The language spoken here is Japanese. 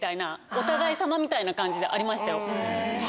お互いさまみたいな感じでありましたよ。